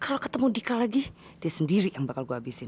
kalau ketemu dika lagi dia sendiri yang bakal gue habisin